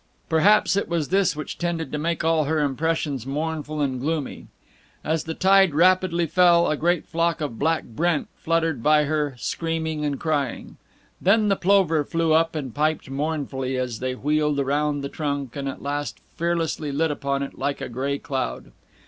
Perhaps it was this which tended to make all her impressions mournful and gloomy. As the tide rapidly fell, a great flock of black brent fluttered by her, screaming and crying. Then the plover flew up and piped mournfully as they wheeled around the trunk, and at last fearlessly lit upon it like a gray cloud.